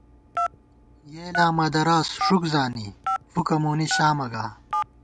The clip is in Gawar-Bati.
یېلاں مہ دراس ݭُک زانی، فُکہ مونی شامہ گا